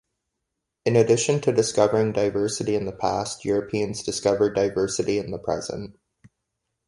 In addition to discovering diversity in the past, Europeans discovered diversity in the present.